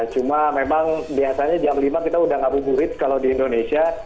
cuma memang biasanya jam lima kita udah ngabuburit kalau di indonesia